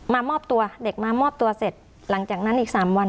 มามอบตัวเด็กมามอบตัวเสร็จหลังจากนั้นอีก๓วัน